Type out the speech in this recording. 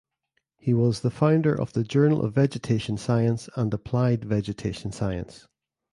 He was the founder of the "Journal of Vegetation Science" and "Applied Vegetation Science".